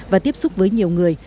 và tiếp xúc với nhiều người